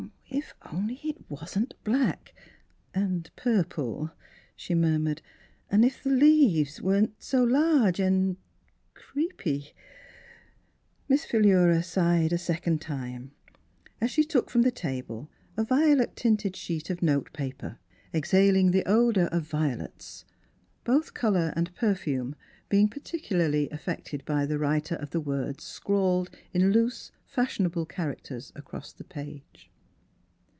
" If only it wasn't black — and pur ple," she murmured, " and if the leaves weren't so large and — creepy." Miss Philura sighed a second time, as she took from the table a violet tinted sheet of note paper, exhaling the odour of violets, both colour and perfume being particularly affected by the writer of the words scrawled in loose, fashionable char acters across the page.